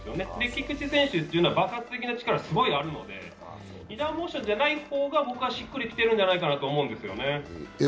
菊池選手は爆発的な力がすごくあるので、２段モーションじゃない方がしっくり来てるんじゃないかと思うんですよね。